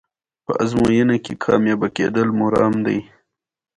حیوانات ځینې وختونه روزل کېږي.